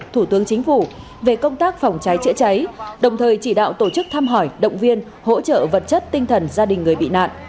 thủ tướng chính phủ về công tác phòng cháy chữa cháy đồng thời chỉ đạo tổ chức thăm hỏi động viên hỗ trợ vật chất tinh thần gia đình người bị nạn